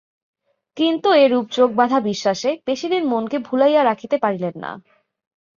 কিন্তু এরূপ চোখ-বাঁধা বিশ্বাসে বেশিদিন মনকে ভুলাইয়া রাখিতে পারিলেন না।